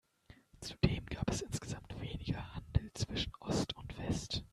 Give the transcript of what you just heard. Zudem gab es insgesamt weniger Handel zwischen Ost und West.